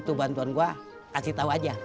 itu bantuan gue kasih tau aja